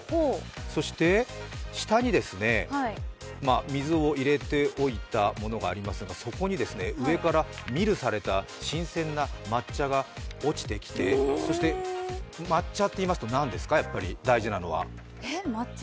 そして下に、水を入れておいたものがあり、そこへ上からミルされた新鮮な抹茶が落ちてきて、そして抹茶といいますと何ですか大事なのは？